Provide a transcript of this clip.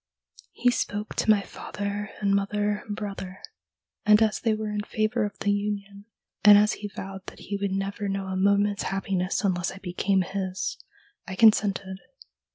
He spoke to my father and mother and brother, and as they were in favour of the union, and as he vowed that he could never know a moment's happiness unless I became his, I consented.